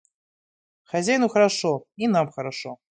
Хозяину хорошо, и нам хорошо.